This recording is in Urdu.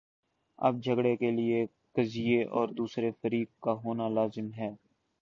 اب جھگڑے کے لیے قضیے اور دوسرے فریق کا ہونا لازم ہے۔